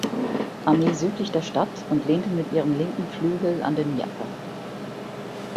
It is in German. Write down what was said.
Armee südlich der Stadt und lehnte mit ihrem linken Flügel an den Dnjepr.